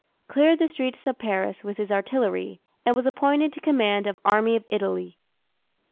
Cleared the streets of Paris with his artillery, and was appointed to command of Army of Italy.